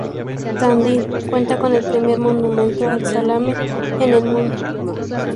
Tandil cuenta con el primer monumento al salame en el mundo.